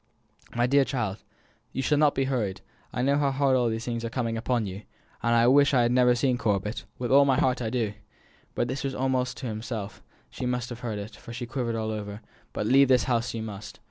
"My dear child, you shall not be hurried I know how hardly all these things are coming upon you (and I wish I had never seen Corbet, with all my heart I do!)" this was almost to himself, but she must have heard it, for she quivered all over "but leave this house you must.